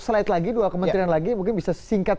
slide lagi dua kementerian lagi mungkin bisa singkat